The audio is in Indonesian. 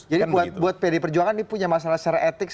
jadi buat pd perjuangan ini punya masalah secara etik